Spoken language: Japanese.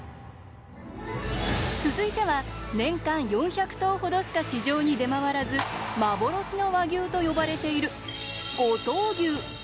続いては、年間４００頭ほどしか市場に出回らず幻の和牛と呼ばれている五島牛。